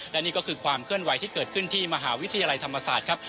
และนี่ก็คือความเคลื่อนไหวที่เกิดขึ้นที่มหาวิทยาลัยธรรมศาสตร์ครับ